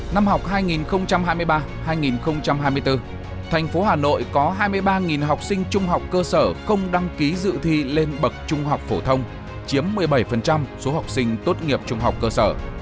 năm học hai nghìn hai mươi ba hai nghìn hai mươi bốn thành phố hà nội có hai mươi ba học sinh trung học cơ sở không đăng ký dự thi lên bậc trung học phổ thông chiếm một mươi bảy số học sinh tốt nghiệp trung học cơ sở